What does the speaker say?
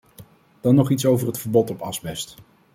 Dan nog iets over het verbod op asbest.